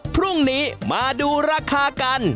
พรุ่งนี้มาดูราคากัน